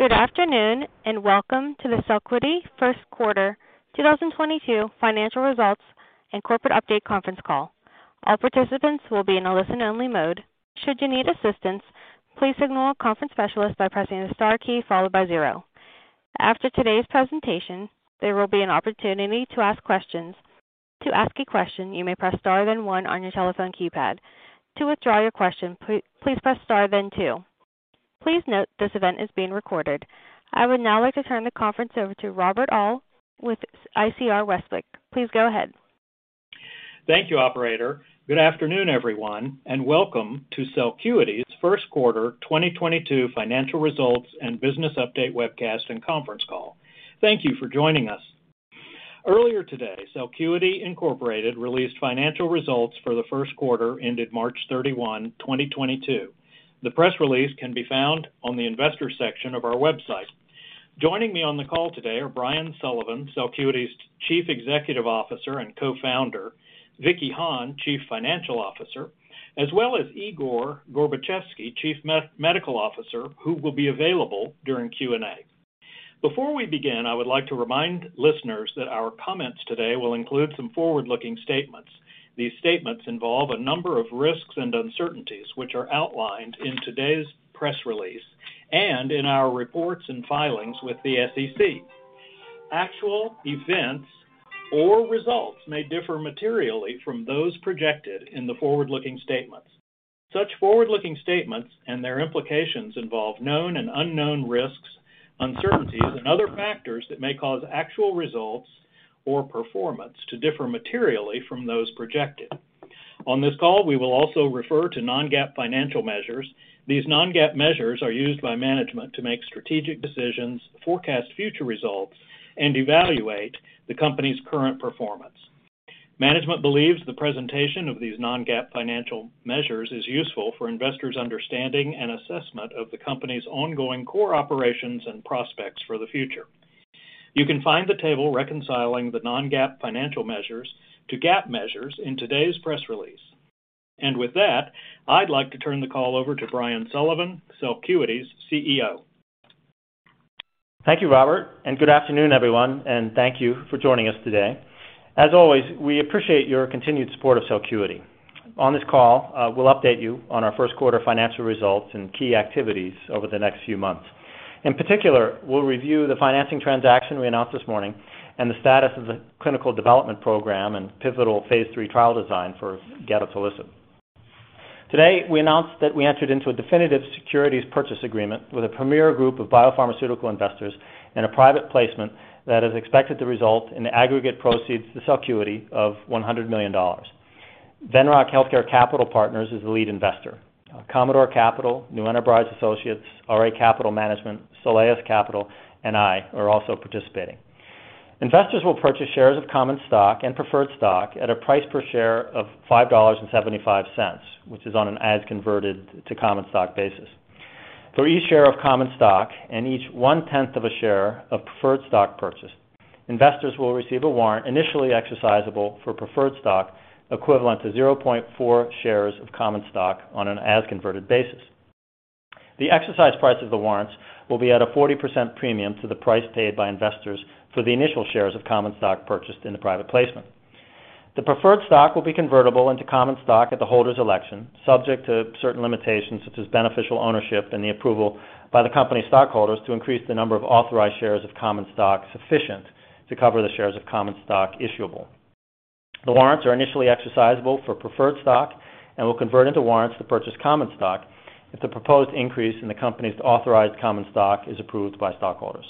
Good afternoon, and welcome to the Celcuity First Quarter 2022 Financial Results and Corporate Update conference call. All participants will be in a listen-only mode. Should you need assistance, please signal a conference specialist by pressing the star key followed by zero. After today's presentation, there will be an opportunity to ask questions. To ask a question, you may press star, then one on your telephone keypad. To withdraw your question, please press star, then two. Please note this event is being recorded. I would now like to turn the conference over to Robert Uhl with ICR Westwicke. Please go ahead. Thank you, operator. Good afternoon, everyone, and welcome to Celcuity's first quarter 2022 financial results and business update webcast and conference call. Thank you for joining us. Earlier today, Celcuity Inc. released financial results for the first quarter ended March 31, 2022. The press release can be found on the investor section of our website. Joining me on the call today are Brian Sullivan, Celcuity's Chief Executive Officer and Co-founder, Vicky Hahne, Chief Financial Officer, as well as Igor Gorbatchevsky, Chief Medical Officer, who will be available during Q&A. Before we begin, I would like to remind listeners that our comments today will include some forward-looking statements. These statements involve a number of risks and uncertainties, which are outlined in today's press release and in our reports and filings with the SEC. Actual events or results may differ materially from those projected in the forward-looking statements. Such forward-looking statements and their implications involve known and unknown risks, uncertainties, and other factors that may cause actual results or performance to differ materially from those projected. On this call, we will also refer to non-GAAP financial measures. These non-GAAP measures are used by management to make strategic decisions, forecast future results, and evaluate the company's current performance. Management believes the presentation of these non-GAAP financial measures is useful for investors' understanding and assessment of the company's ongoing core operations and prospects for the future. You can find the table reconciling the non-GAAP financial measures to GAAP measures in today's press release. With that, I'd like to turn the call over to Brian Sullivan, Celcuity's CEO. Thank you, Robert, and good afternoon, everyone, and thank you for joining us today. As always, we appreciate your continued support of Celcuity. On this call, we'll update you on our first quarter financial results and key activities over the next few months. In particular, we'll review the financing transaction we announced this morning and the status of the clinical development program and pivotal phase III trial design for gedatolisib. Today, we announced that we entered into a definitive securities purchase agreement with a premier group of biopharmaceutical investors in a private placement that is expected to result in aggregate proceeds to Celcuity of $100 million. Venrock Healthcare Capital Partners is the lead investor. Commodore Capital, New Enterprise Associates, RA Capital Management, Soleus Capital, and I are also participating. Investors will purchase shares of common stock and preferred stock at a price per share of $5.75, which is on an as converted to common stock basis. For each share of common stock and each one-tenth of a share of preferred stock purchase, investors will receive a warrant initially exercisable for preferred stock equivalent to 0.4 shares of common stock on an as converted basis. The exercise price of the warrants will be at a 40% premium to the price paid by investors for the initial shares of common stock purchased in the private placement. The preferred stock will be convertible into common stock at the holder's election, subject to certain limitations, such as beneficial ownership and the approval by the company's stockholders to increase the number of authorized shares of common stock issuable. The warrants are initially exercisable for preferred stock and will convert into warrants to purchase common stock if the proposed increase in the company's authorized common stock is approved by stockholders.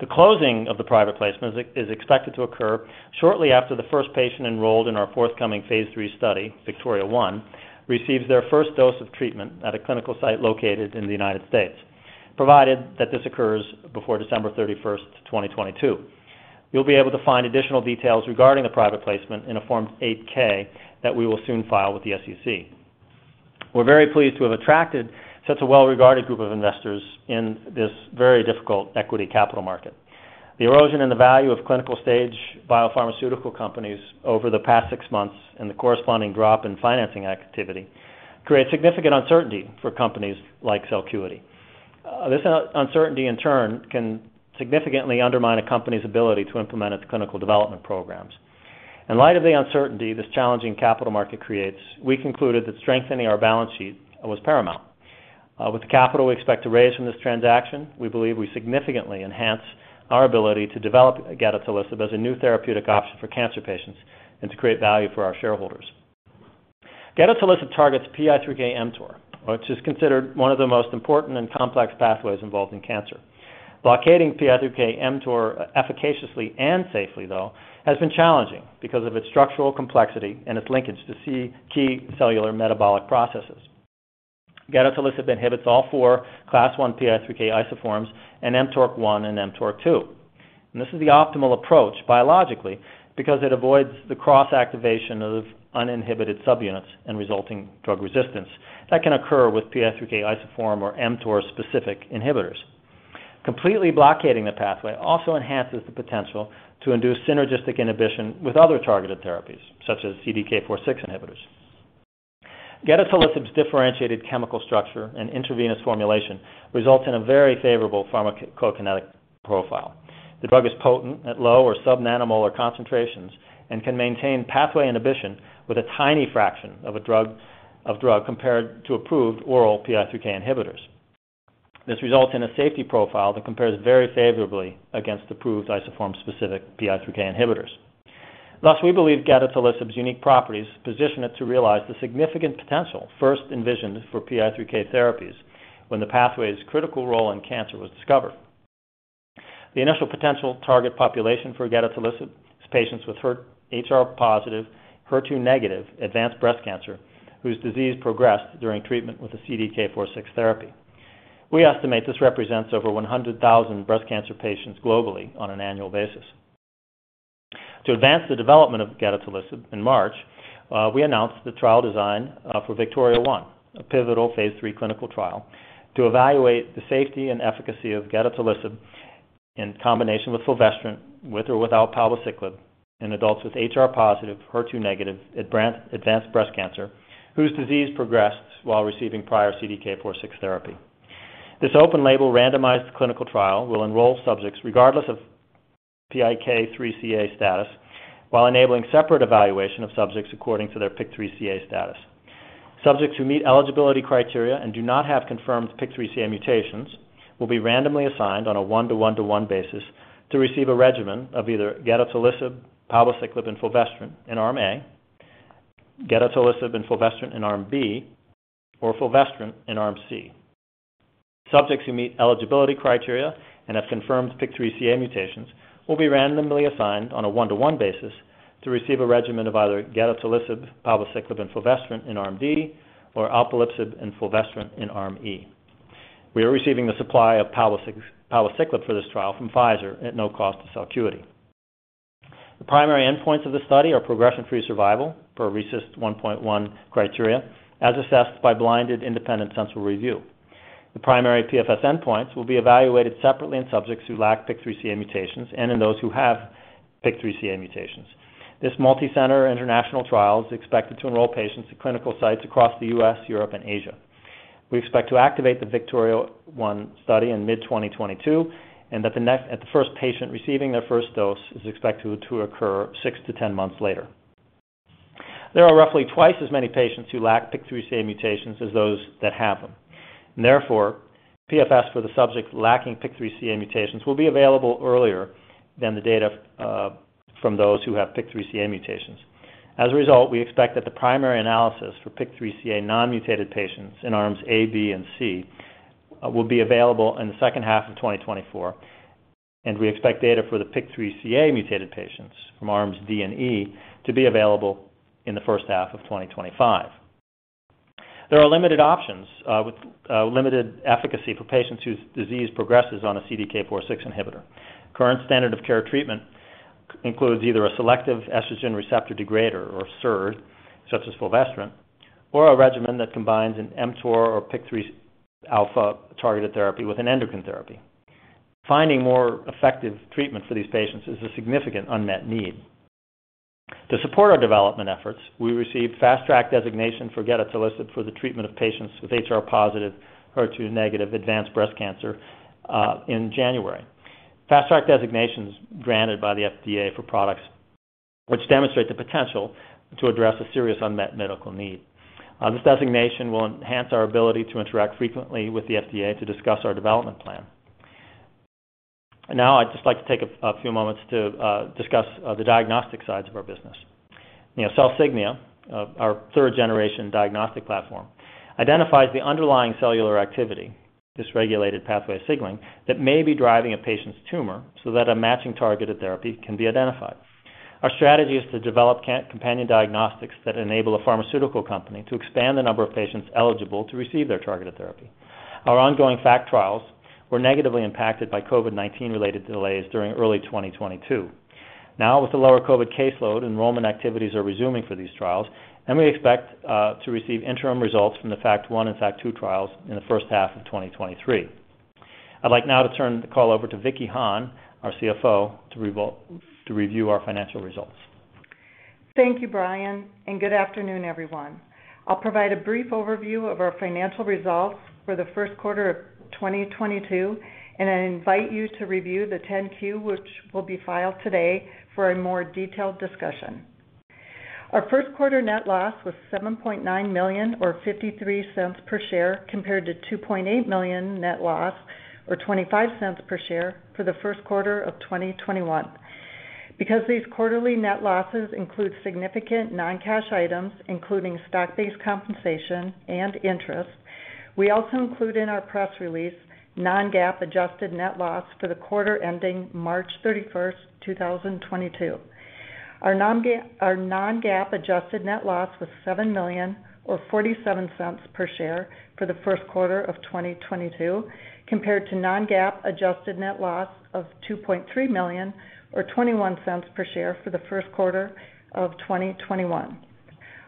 The closing of the private placement is expected to occur shortly after the first patient enrolled in our forthcoming phase III study, VIKTORIA-I, receives their first dose of treatment at a clinical site located in the United States, provided that this occurs before December 31, 2022. You'll be able to find additional details regarding the private placement in a Form 8-K that we will soon file with the SEC. We're very pleased to have attracted such a well-regarded group of investors in this very difficult equity capital market. The erosion in the value of clinical stage biopharmaceutical companies over the past six months and the corresponding drop in financing activity create significant uncertainty for companies like Celcuity. This uncertainty, in turn, can significantly undermine a company's ability to implement its clinical development programs. In light of the uncertainty this challenging capital market creates, we concluded that strengthening our balance sheet was paramount. With the capital we expect to raise from this transaction, we believe we significantly enhance our ability to develop gedatolisib as a new therapeutic option for cancer patients and to create value for our shareholders. Gedatolisib targets PI3K/mTOR, which is considered one of the most important and complex pathways involved in cancer. Blocking PI3K/mTOR efficaciously and safely, though, has been challenging because of its structural complexity and its linkage to key cellular metabolic processes. Gedatolisib inhibits all four Class I PI3K isoforms and mTOR I and mTOR II. This is the optimal approach biologically because it avoids the cross-activation of uninhibited subunits and resulting drug resistance that can occur with PI3K isoform or mTOR-specific inhibitors. Completely blocking the pathway also enhances the potential to induce synergistic inhibition with other targeted therapies, such as CDK4/6 inhibitors. Gedatolisib's differentiated chemical structure and intravenous formulation results in a very favorable pharmacokinetic profile. The drug is potent at low or sub-nanomolar concentrations and can maintain pathway inhibition with a tiny fraction of a drug compared to approved oral PI3K inhibitors. This results in a safety profile that compares very favorably against approved isoform-specific PI3K inhibitors. Thus, we believe gedatolisib's unique properties position it to realize the significant potential first envisioned for PI3K therapies when the pathway's critical role in cancer was discovered. The initial potential target population for gedatolisib is patients with HR+, HER2- advanced breast cancer whose disease progressed during treatment with a CDK4/6 therapy. We estimate this represents over 100,000 breast cancer patients globally on an annual basis. To advance the development of gedatolisib in March, we announced the trial design for VIKTORIA-I, a pivotal phase III clinical trial to evaluate the safety and efficacy of gedatolisib in combination with fulvestrant, with or without palbociclib in adults with HR+, HER2- advanced breast cancer, whose disease progressed while receiving prior CDK4/6 therapy. This open-label randomized clinical trial will enroll subjects regardless of PIK3CA status while enabling separate evaluation of subjects according to their PIK3CA status. Subjects who meet eligibility criteria and do not have confirmed PIK3CA mutations will be randomly assigned on a one-to-one-to-one basis to receive a regimen of either gedatolisib, palbociclib, and fulvestrant in Arm A, gedatolisib and fulvestrant in Arm B, or fulvestrant in Arm C. Subjects who meet eligibility criteria and have confirmed PIK3CA mutations will be randomly assigned on a one-to-one basis to receive a regimen of either gedatolisib, palbociclib, and fulvestrant in Arm D, or alpelisib and fulvestrant in Arm E. We are receiving the supply of palbociclib for this trial from Pfizer at no cost to Celcuity. The primary endpoints of this study are progression-free survival per RECIST 1.1 criteria as assessed by blinded independent central review. The primary PFS endpoints will be evaluated separately in subjects who lack PIK3CA mutations and in those who have PIK3CA mutations. This multi-center international trial is expected to enroll patients at clinical sites across the U.S., Europe, and Asia. We expect to activate the VIKTORIA-I study in mid-2022, and that at the first patient receiving their first dose is expected to occur six-10 months later. There are roughly twice as many patients who lack PIK3CA mutations as those that have them. Therefore, PFS for the subjects lacking PIK3CA mutations will be available earlier than the data from those who have PIK3CA mutations. As a result, we expect that the primary analysis for PIK3CA non-mutated patients in Arms A, B, and C will be available in the second half of 2024, and we expect data for the PIK3CA mutated patients from Arms D and E to be available in the first half of 2025. There are limited options with limited efficacy for patients whose disease progresses on a CDK4/6 inhibitor. Current standard of care treatment includes either a selective estrogen receptor degrader or SERD, such as fulvestrant, or a regimen that combines an mTOR or PI3K alpha-targeted therapy with an endocrine therapy. Finding more effective treatments for these patients is a significant unmet need. To support our development efforts, we received Fast Track designation for gedatolisib for the treatment of patients with HR+, HER2- advanced breast cancer in January. Fast Track designation is granted by the FDA for products which demonstrate the potential to address a serious unmet medical need. This designation will enhance our ability to interact frequently with the FDA to discuss our development plan. Now I'd just like to take a few moments to discuss the diagnostic sides of our business. You know, CELsignia, our third-generation diagnostic platform, identifies the underlying cellular activity, dysregulated pathway signaling, that may be driving a patient's tumor so that a matching targeted therapy can be identified. Our strategy is to develop companion diagnostics that enable a pharmaceutical company to expand the number of patients eligible to receive their targeted therapy. Our ongoing FACT trials were negatively impacted by COVID-19 related delays during early 2022. Now, with the lower COVID caseload, enrollment activities are resuming for these trials, and we expect to receive interim results from the FACT I and FACT II trials in the first half of 2023. I'd like now to turn the call over to Vicky Hahne, our CFO, to review our financial results. Thank you, Brian, and good afternoon, everyone. I'll provide a brief overview of our financial results for the first quarter of 2022, and I invite you to review the 10-Q, which will be filed today for a more detailed discussion. Our first quarter net loss was $7.9 million or $0.53 per share, compared to $2.8 million net loss or $0.25 per share for the first quarter of 2021. Because these quarterly net losses include significant non-cash items, including stock-based compensation and interest, we also include in our press release non-GAAP adjusted net loss for the quarter ending March 31, 2022. Our non-GAAP adjusted net loss was $7 million or $0.47 per share for the first quarter of 2022, compared to non-GAAP adjusted net loss of $2.3 million or $0.21 per share for the first quarter of 2021.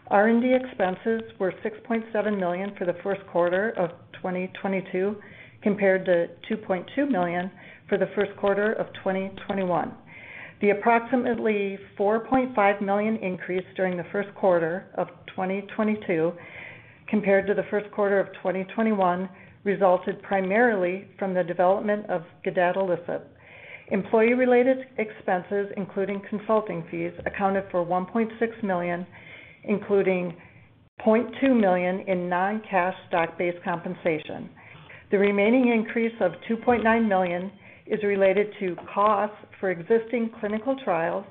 R&D expenses were $6.7 million for the first quarter of 2022, compared to $2.2 million for the first quarter of 2021. The approximately $4.5 million increase during the first quarter of 2022 compared to the first quarter of 2021 resulted primarily from the development of gedatolisib. Employee related expenses, including consulting fees, accounted for $1.6 million, including $0.2 million in non-cash stock-based compensation. The remaining increase of $2.9 million is related to costs for existing clinical trials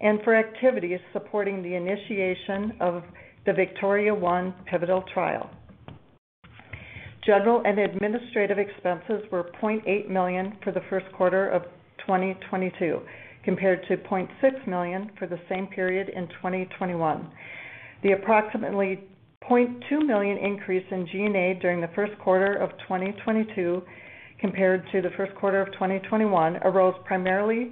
and for activities supporting the initiation of the VIKTORIA-I pivotal trial. General and administrative expenses were $0.8 million for the first quarter of 2022 compared to $0.6 million for the same period in 2021. The approximately $0.2 million increase in G&A during the first quarter of 2022 compared to the first quarter of 2021 arose primarily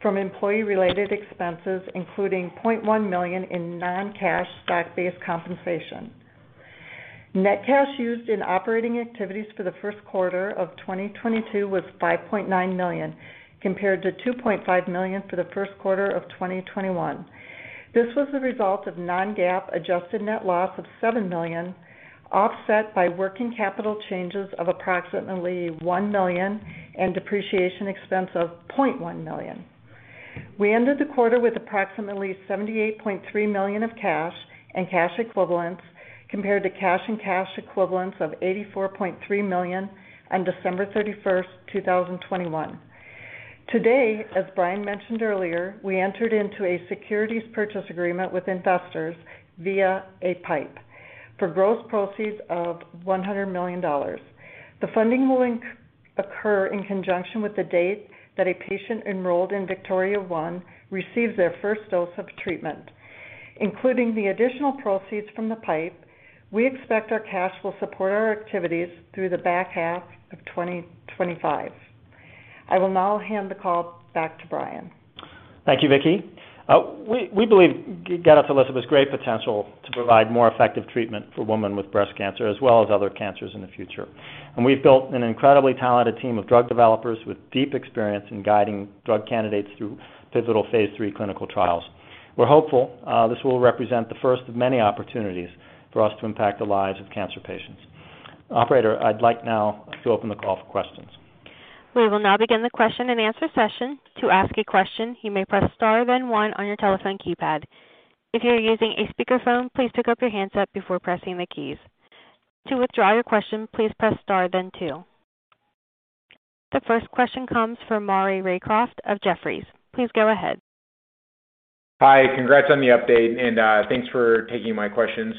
from employee-related expenses, including $0.1 million in non-cash stock-based compensation. Net cash used in operating activities for the first quarter of 2022 was $5.9 million, compared to $2.5 million for the first quarter of 2021. This was the result of non-GAAP adjusted net loss of $7 million, offset by working capital changes of approximately $1 million and depreciation expense of $0.1 million. We ended the quarter with approximately $78.3 million of cash and cash equivalents compared to cash and cash equivalents of $84.3 million on December 31, 2021. Today, as Brian mentioned earlier, we entered into a securities purchase agreement with investors via a PIPE for gross proceeds of $100 million. The funding will occur in conjunction with the date that a patient enrolled in VIKTORIA-I receives their first dose of treatment. Including the additional proceeds from the PIPE, we expect our cash will support our activities through the back half of 2025. I will now hand the call back to Brian. Thank you, Vicky. We believe gedatolisib has great potential to provide more effective treatment for women with breast cancer as well as other cancers in the future. We've built an incredibly talented team of drug developers with deep experience in guiding drug candidates through pivotal phase III clinical trials. We're hopeful this will represent the first of many opportunities for us to impact the lives of cancer patients. Operator, I'd like now to open the call for questions. We will now begin the question and answer session. To ask a question, you may press Star, then one on your telephone keypad. If you're using a speaker phone, please pick up your handset before pressing the keys. To withdraw your question, please press Star then two. The first question comes from Maury Raycroft of Jefferies. Please go ahead. Hi. Congrats on the update, and thanks for taking my questions.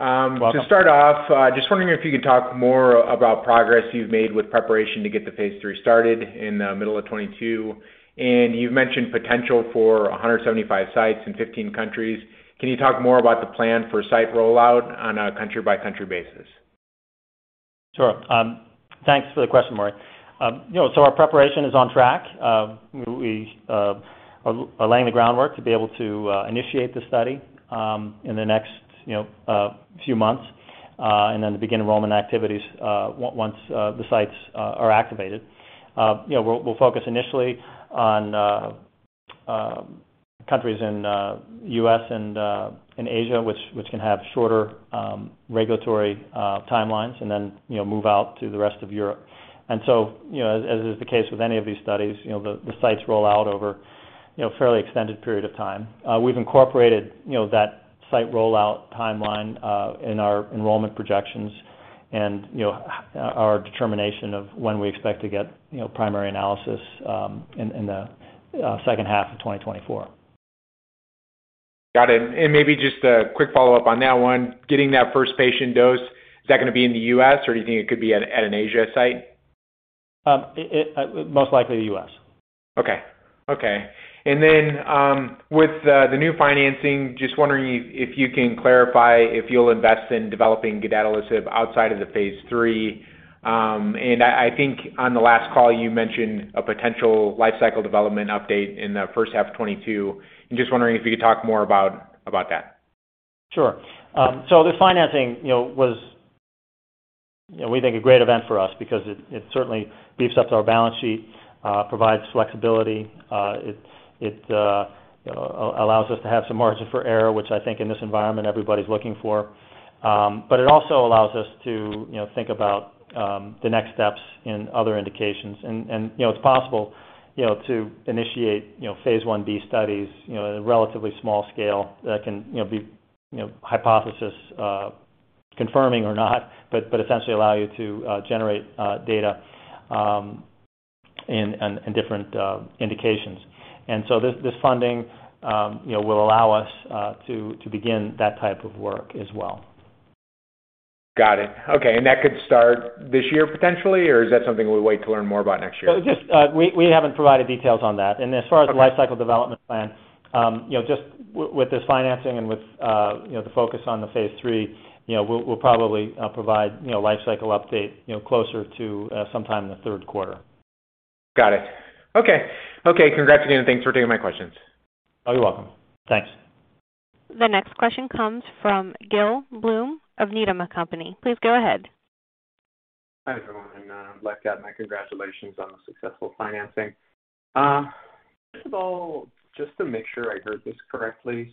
Welcome. To start off, just wondering if you could talk more about progress you've made with preparation to get the phase III started in the middle of 2022. You've mentioned potential for 175 sites in 15 countries. Can you talk more about the plan for site rollout on a country-by-country basis? Sure. Thanks for the question, Maury. Our preparation is on track. We are laying the groundwork to be able to initiate the study in the next few months and then to begin enrollment activities once the sites are activated. You know, we'll focus initially on countries in the U.S. and in Asia, which can have shorter regulatory timelines and then move out to the rest of Europe. You know, as is the case with any of these studies, you know, the sites roll out over a fairly extended period of time. We've incorporated, you know, that site rollout timeline in our enrollment projections and, you know, our determination of when we expect to get, you know, primary analysis in the second half of 2024. Got it. Maybe just a quick follow-up on that one. Getting that first patient dose, is that gonna be in the U.S., or do you think it could be at an Asia site? It most likely the U.S. Okay. With the new financing, just wondering if you can clarify if you'll invest in developing gedatolisib outside of the phase III. I think on the last call, you mentioned a potential life cycle development update in the first half of 2022. I'm just wondering if you could talk more about that. Sure. The financing, you know, was we think a great event for us because it certainly beefs up our balance sheet, provides flexibility. It allows us to have some margin for error, which I think in this environment everybody's looking for. It also allows us to, you know, think about the next steps in other indications. You know, it's possible, you know, to initiate, you know, phase I-B studies, you know, at a relatively small scale that can, you know, be, you know, hypothesis confirming or not, but essentially allow you to generate data in different indications. This funding, you know, will allow us to begin that type of work as well. Got it. Okay. That could start this year potentially, or is that something we wait to learn more about next year? Just, we haven't provided details on that. Okay. As far as the life cycle development plan, you know, just with this financing and with, you know, the focus on the phase III, you know, we'll probably provide, you know, life cycle update, you know, closer to sometime in the third quarter. Got it. Okay. Okay, congrats again, and thanks for taking my questions. Oh, you're welcome. Thanks. The next question comes from Gil Blum of Needham & Company. Please go ahead. Hi, everyone. I'd like to add my congratulations on the successful financing. First of all, just to make sure I heard this correctly.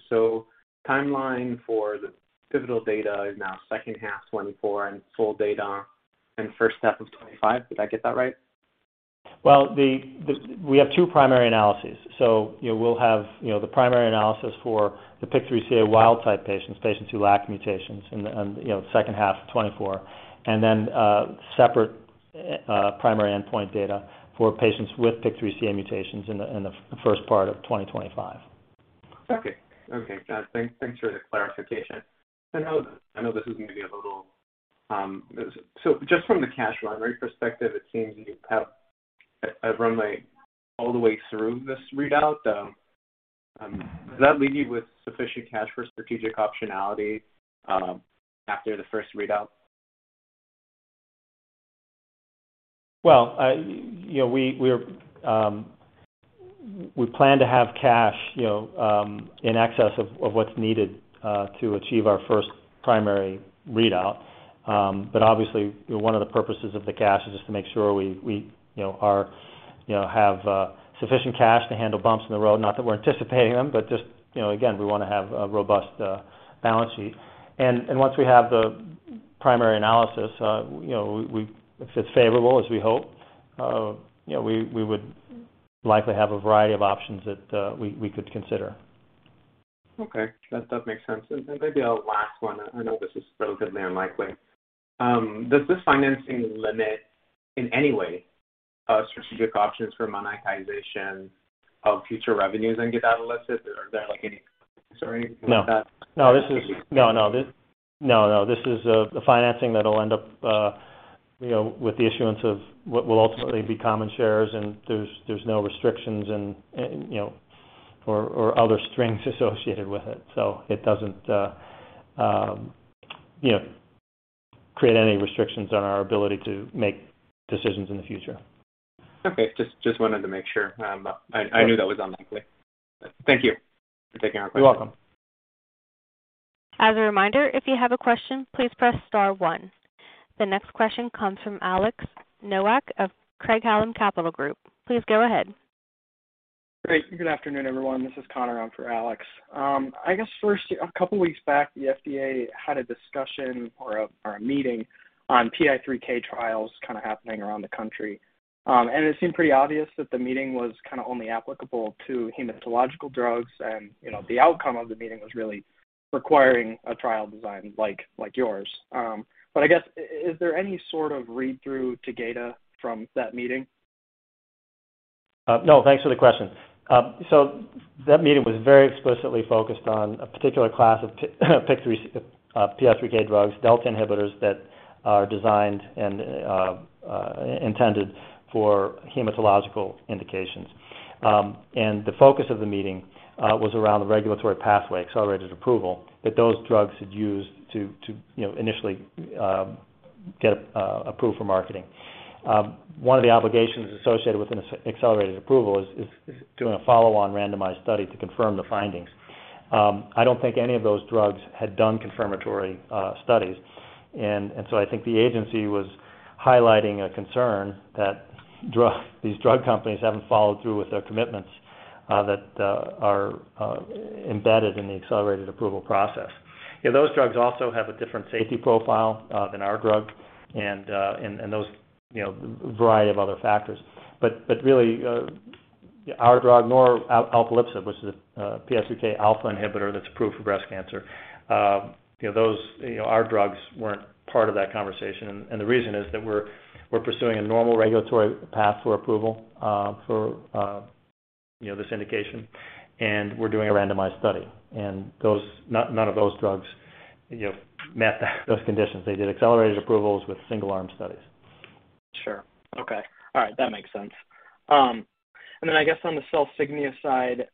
Timeline for the pivotal data is now second half 2024 and full data in the first half of 2025. Did I get that right? Well, we have two primary analyses. You know, we'll have you know the primary analysis for the PIK3CA wild type patients who lack mutations in the you know second half of 2024. Separate primary endpoint data for patients with PIK3CA mutations in the first part of 2025. Okay. Thanks for the clarification. I know this is maybe a little. Just from the cash run rate perspective, it seems you have a run rate all the way through this readout. Does that leave you with sufficient cash for strategic optionality after the first readout? Well, you know, we plan to have cash, you know, in excess of what's needed to achieve our first primary readout. Obviously, you know, one of the purposes of the cash is just to make sure we have sufficient cash to handle bumps in the road. Not that we're anticipating them, but just, you know, again, we wanna have a robust balance sheet. Once we have the primary analysis, you know, if it's favorable as we hope, you know, we would likely have a variety of options that we could consider. Okay. That makes sense. Maybe a last one. I know this is relatively unlikely. Does this financing limit in any way strategic options for monetization of future revenues in gedatolisib? Are there like any or anything like that? No, this is a financing that'll end up, you know, with the issuance of what will ultimately be common shares, and there's no restrictions and, you know, or other strings associated with it. It doesn't, you know, create any restrictions on our ability to make decisions in the future. Okay. Just wanted to make sure. I knew that was unlikely. Thank you for taking our question. You're welcome. As a reminder, if you have a question, please press star one. The next question comes from Alex Nowak of Craig-Hallum Capital Group. Please go ahead. Great. Good afternoon, everyone. This is Connor on for Alex. I guess first, a couple weeks back, the FDA had a discussion or a meeting on PI3K trials kinda happening around the country. It seemed pretty obvious that the meeting was kinda only applicable to hematological drugs and, you know, the outcome of the meeting was really requiring a trial design like yours. I guess is there any sort of read-through to data from that meeting? No. Thanks for the question. That meeting was very explicitly focused on a particular class of PI3K drugs, delta inhibitors that are designed and intended for hematological indications. The focus of the meeting was around the regulatory pathway, accelerated approval, that those drugs had used to, you know, initially get approved for marketing. One of the obligations associated with an accelerated approval is doing a follow-on randomized study to confirm the findings. I don't think any of those drugs had done confirmatory studies. I think the agency was highlighting a concern that these drug companies haven't followed through with their commitments that are embedded in the accelerated approval process. You know, those drugs also have a different safety profile than our drug and those, you know, variety of other factors. Really, our drug nor alpelisib, which is a PI3K alpha inhibitor that's approved for breast cancer, you know, those, you know, our drugs weren't part of that conversation. The reason is that we're pursuing a normal regulatory path for approval for you know, this indication, and we're doing a randomized study. None of those drugs, you know, met those conditions. They did accelerated approvals with single arm studies. Sure. Okay. All right. That makes sense. I guess on the CELsignia side,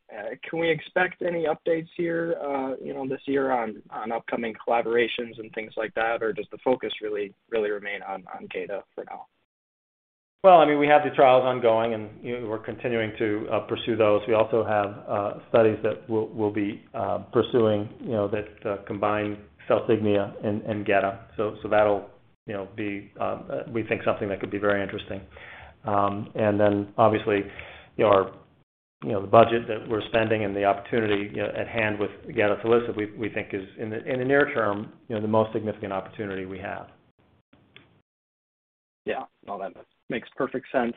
can we expect any updates here, you know, this year on upcoming collaborations and things like that? Or does the focus really remain on data for now? I mean, we have the trials ongoing, and, you know, we're continuing to pursue those. We also have studies that we'll be pursuing, you know, that combine CELsignia and Geda. That'll, you know, be, we think, something that could be very interesting. And then obviously, you know, our, you know, the budget that we're spending and the opportunity, you know, at hand with gedatolisib we think is in the near term, you know, the most significant opportunity we have. Yeah. No, that makes perfect sense.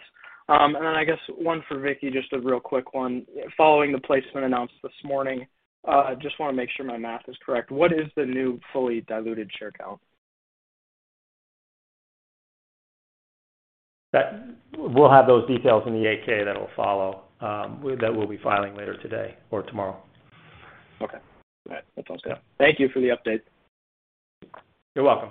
Then I guess one for Vicky, just a real quick one. Following the placement announced this morning, just wanna make sure my math is correct. What is the new fully diluted share count? We'll have those details in the 8-K that will follow, with that, we'll be filing later today or tomorrow. Okay. All right. That's all. Yeah. Thank you for the update. You're welcome.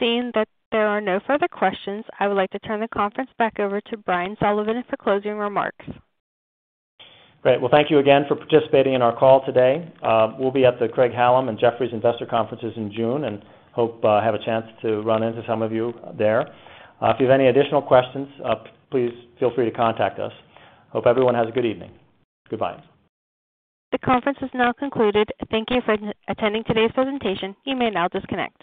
Seeing that there are no further questions, I would like to turn the conference back over to Brian Sullivan for closing remarks. Great. Well, thank you again for participating in our call today. We'll be at the Craig-Hallum and Jefferies investor conferences in June and hope have a chance to run into some of you there. If you have any additional questions, please feel free to contact us. Hope everyone has a good evening. Goodbye. The conference has now concluded. Thank you for attending today's presentation. You may now disconnect.